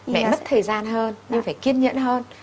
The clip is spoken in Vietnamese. mẹ mất thời gian hơn nhưng phải kiên nhẫn hơn